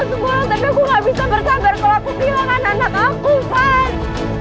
iman aku mohon berikinnya iman